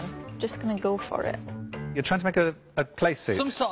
そう。